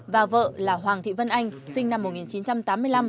và vợ là hoàng thị vân anh sinh năm một nghìn chín trăm tám mươi năm